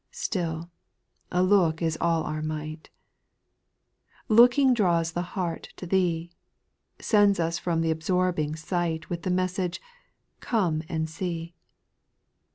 Still a look is all our might ; Looking draws the heart to Thee, Sends us from tli' absorbing sight With the message, " Come and see."